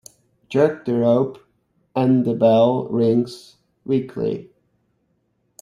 Jerk the rope and the bell rings weakly.